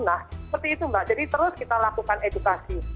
nah seperti itu mbak jadi terus kita lakukan edukasi